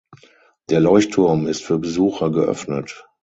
Der Leuchtturm ist für Besucher geöffnet.